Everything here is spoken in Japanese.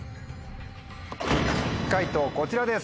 解答こちらです。